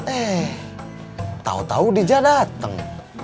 eh tau tau diza dateng